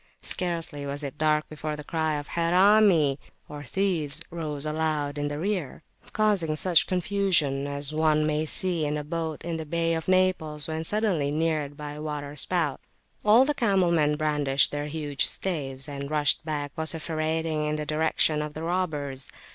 Scarcely was it dark before the cry of "Harami" (thieves) rose loud in the rear, causing such confusion as one may see in a boat in the Bay of Naples when suddenly neared by a water spout [p.250] All the camel men brandished their huge staves, and rushed back vociferating in the direction of the robbers.